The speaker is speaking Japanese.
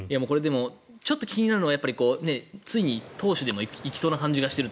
ちょっと気になるのはついに投手でも行きそうな感じがしていると。